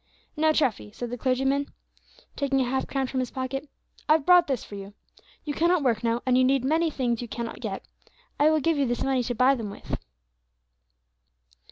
"Now, Treffy," said the clergyman, taking a half crown from his pocket, "I've brought this for you. You cannot work now, and you need many things you cannot get; I will give you this money to buy them with."